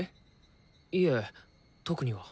いえ特には。